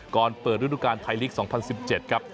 ก่อนเปิดฤดูการไทยลีก๒๐๑๗ครับ